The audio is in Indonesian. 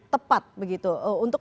tepat begitu untuk